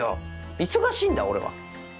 忙しいんだ俺は。